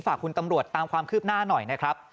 ฝากคุณตำรวจตามความคืบหน้าหน่อยนะครับ